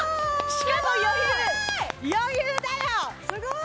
しかも余裕余裕だよ！